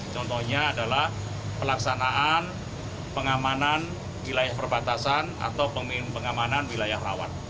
contohnya adalah pelaksanaan pengamanan wilayah perbatasan atau pengamanan wilayah rawan